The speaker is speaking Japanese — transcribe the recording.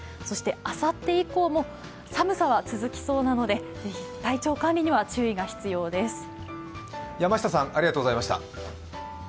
そしてあさって以降も寒さは続きそうなのでぜひ体調管理には注意が必要です。